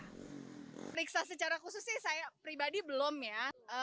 periksa secara khusus sih saya pribadi belum ya